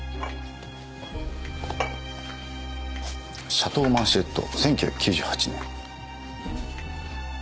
シャトーマンシェット１９９８年。